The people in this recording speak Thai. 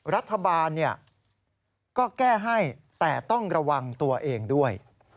รัฐบาลก็แก้ให้แต่ต้องระวังตัวเองด้วย